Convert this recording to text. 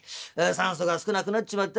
酸素が少なくなっちまってな